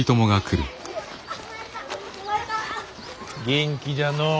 元気じゃのう。